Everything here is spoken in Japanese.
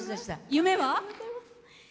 夢は？